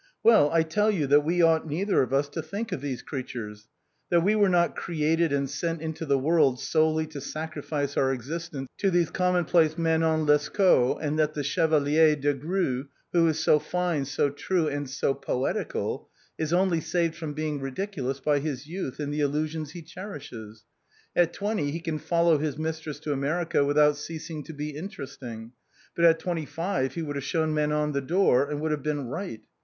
Well, I tell you that we ought neither of us to think of these creatures; that we were not created and sent into the world solely to sacrifice our existence to these common place Manon Lescauts, and that the Chevalier Desgrieux, who is so fine, so true, and so poetical, is only saved from being ridiculous by his youth and the illusions he cherishes. At twenty he can follow his mistress to America without ceasing to be interesting, but at twenty five he would have shown Manon the door, and would have been right.